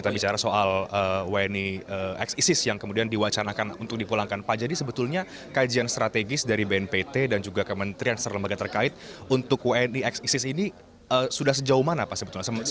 bapak komjen paul soehardi alius